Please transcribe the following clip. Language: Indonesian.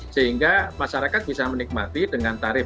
sehingga masyarakat bisa menikmati dengan tarif